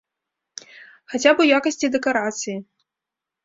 Хаця б у якасці дэкарацыі.